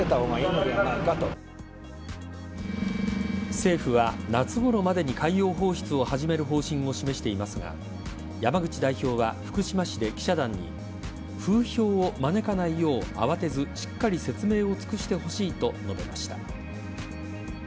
政府は夏ごろまでに海洋放出を始める方針を示していますが山口代表は福島市で記者団に風評を招かないよう慌てずしっかり説明を尽くしてほしいと述べました。